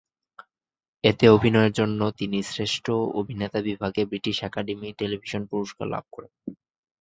এতে অভিনয়ের জন্য তিনি শ্রেষ্ঠ অভিনেতা বিভাগে ব্রিটিশ একাডেমি টেলিভিশন পুরস্কার লাভ করেন।